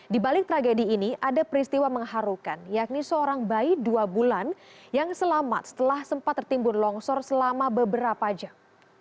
di balik tragedi ini ada peristiwa mengharukan yakni seorang bayi dua bulan yang selamat setelah sempat tertimbun longsor selama beberapa jam